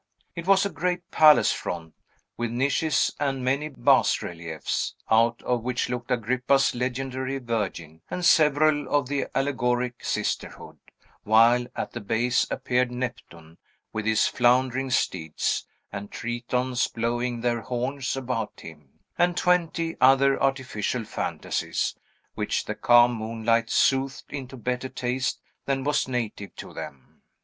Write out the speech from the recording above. It was a great palace front, with niches and many bas reliefs, out of which looked Agrippa's legendary virgin, and several of the allegoric sisterhood; while, at the base, appeared Neptune, with his floundering steeds, and Tritons blowing their horns about him, and twenty other artificial fantasies, which the calm moonlight soothed into better taste than was native to them.